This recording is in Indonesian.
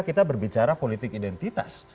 kita berbicara politik identitas